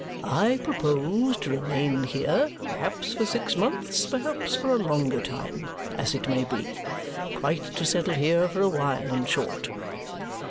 I propose to remain here, perhaps for six months, perhaps for a longer time as it may be. Quite to settle here for a while, in short."